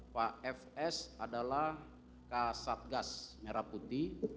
pak fs adalah kasatgas merah putih